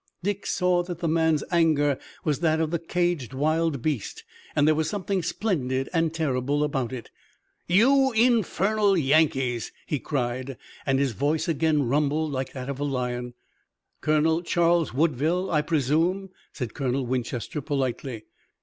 Dick saw that the man's anger was that of the caged wild beast, and there was something splendid and terrible about it. "You infernal Yankees!" he cried, and his voice again rumbled like that of a lion. "Colonel Charles Woodville, I presume?" said Colonel Winchester politely.